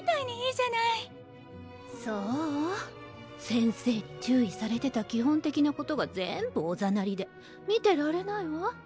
先生に注意されてた基本的なことがぜんぶおざなりで見てられないわ。